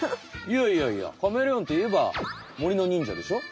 いやいやいやカメレオンといえば森の忍者でしょ？